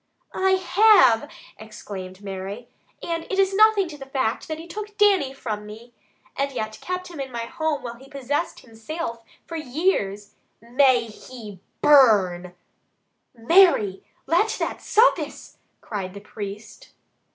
"I have!" exclaimed Mary. "And it is nothing to the fact that he took Dannie from me, and yet kept him in my home while he possessed me himsilf for years. May he burn " "Mary! Let that suffice!" cried the priest.